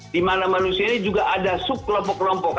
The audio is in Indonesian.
dimana manusia ini juga ada sub kelompok kelompok